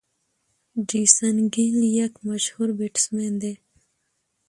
جیسن ګيل یک مشهور بيټسمېن دئ.